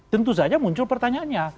tentu saja muncul pertanyaannya